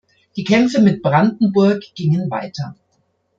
Die Kämpfe mit Brandenburg gingen weiter.